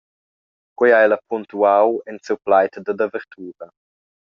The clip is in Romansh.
Quei ha ella puntuau en siu plaid dad avertura.